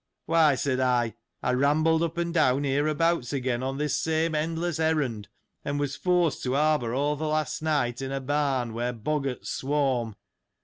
Why, said I, I rambled up and down hereabouts again on this same endless errand, and was forced to harbour all th' last night, in a barn, where boggarts swarm.